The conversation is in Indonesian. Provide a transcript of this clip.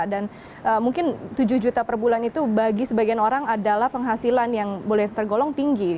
dan mungkin tujuh juta per bulan itu bagi sebagian orang adalah penghasilan yang boleh tergolong tinggi